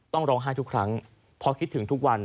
ต้องร้องไห้ทุกครั้งเพราะคิดถึงทุกวัน